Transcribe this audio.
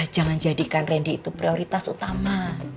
jangan jadikan randy itu prioritas utama